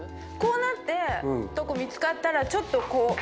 こうなってるとこ見つかったらちょっとこう。